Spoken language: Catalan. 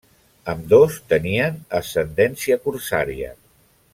Ambdós tenien ascendència corsària.